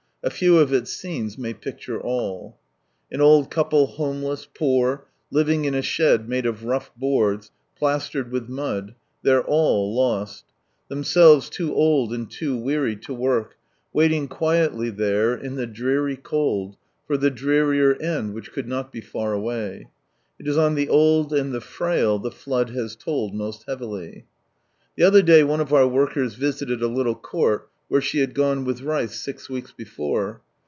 A few of its scenes may picture An old couple homeless, poor, living in a shed made of rough boards plastered 98 From Sunrise Land with mud, their all lost — themselves too old and too weary to work, waiting quietly there, in the dreary cold, for the drearier end, which could not be far away. It is on the old and tlie frail the flood has told most heavily. The other day one of our workers visited a little court, where she had gone with rice six weeks before.